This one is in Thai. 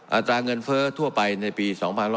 อัตราเงินเฟ้อทั่วไปในปี๒๕๖๐